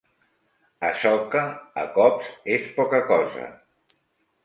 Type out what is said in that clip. A soca, a cops es poca cosa.